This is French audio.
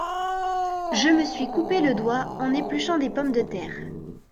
Je me suis coupé le doigt en épluchant des pommes de terre.